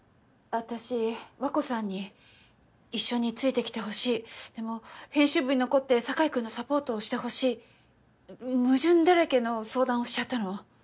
私和子さんに一緒について来てほしいでも編集部に残って境君のサポートをしてほしい矛盾だらけの相談をしちゃったの。